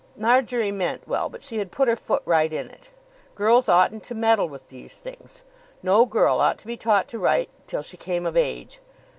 Marjory meant well, but she had put her foot right in it. Girls oughtn't to meddle with these things. No girl ought to be taught to write till she came of age.